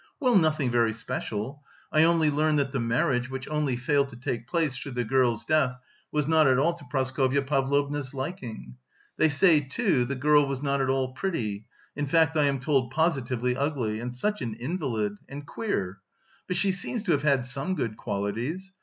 "Well, nothing very special. I only learned that the marriage, which only failed to take place through the girl's death, was not at all to Praskovya Pavlovna's liking. They say, too, the girl was not at all pretty, in fact I am told positively ugly... and such an invalid... and queer. But she seems to have had some good qualities.